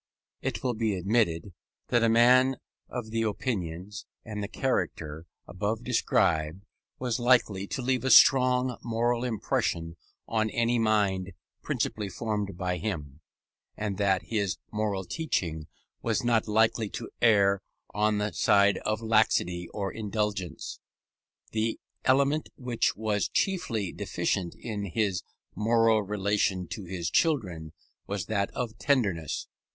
It will be admitted, that a man of the opinions, and the character, above described, was likely to leave a strong moral impression on any mind principally formed by him, and that his moral teaching was not likely to err on the side of laxity or indulgence. The element which was chiefly deficient in his moral relation to his children was that of tenderness.